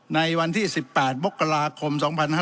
ในวันที่๑๘มกราคม๒๕๕๙